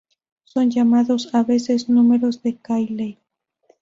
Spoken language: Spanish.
Son llamados, a veces números de Cayley.